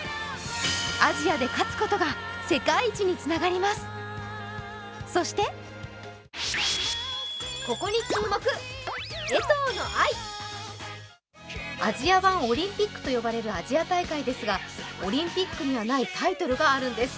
アジアで勝つことが世界一につながります、そしてアジア版オリンピックと呼ばれるアジア大会ですが、オリンピックにはないタイトルがあるんです。